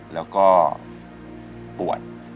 แล้วก็ปวด